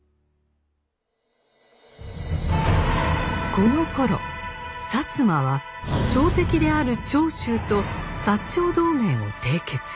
このころ摩は朝敵である長州と長同盟を締結。